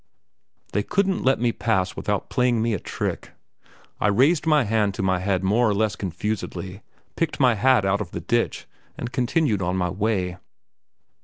They couldn't let me pass without playing me a trick. I raised my hand to my head more or less confusedly, picked my hat out of the ditch, and continued on my way.